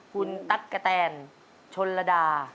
คุณตั๊กกะแตนชนระดา